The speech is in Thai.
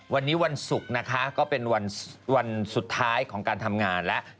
วันนี้วันศุกร์นะคะก็เป็นวันสุดท้ายของการทำงานแล้ว